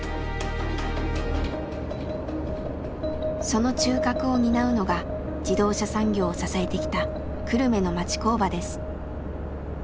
その中核を担うのが自動車産業を支えてきた久留米の町工場です。